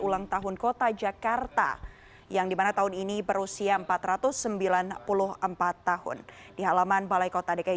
ulang tahun kota jakarta yang dimana tahun ini berusia empat ratus sembilan puluh empat tahun di halaman balai kota dki